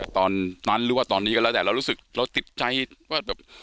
ตอนนั้นหรือว่าตอนนี้ก็แล้วแต่เรารู้สึกเราติดใจว่าแบบ